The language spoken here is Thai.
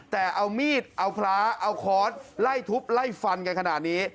แต่เอามีดเอาพระเอาค้อนไล่ทุบไล่ฟันกันขนาดนี้